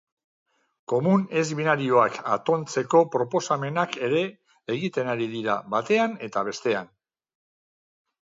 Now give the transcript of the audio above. Komun ez binarioak atontzeko proposamenak ere egiten ari dira batean eta bestean.